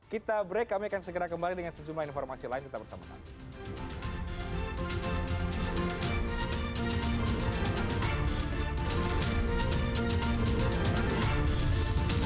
kita break kami akan segera kembali dengan sejumlah informasi lain tetap bersama kami